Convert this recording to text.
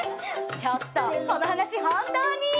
ちょっとこの話本当に。